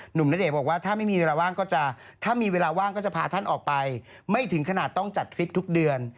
หนุ่มณเดชน์บอกว่าถ้าไม่มีเวลาว่างก็จะพาท่านออกไปไม่ถึงขนาดต้องจัดคลิปทุกเดือน